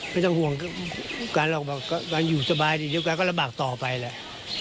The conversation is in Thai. ไม่ต้องห่วงการอยู่สบายด้วยกันก็ลำบากต่อไปละ